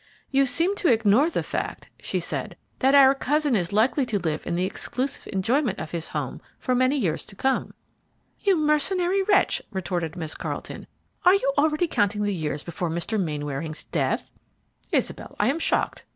"You seem to ignore the fact," she said, "that our cousin is likely to live in the exclusive enjoyment of his home for many years to come." "You mercenary wretch!" retorted Miss Carleton; "are you already counting the years before Mr. Mainwaring's death?" "Isabel, I am shocked!"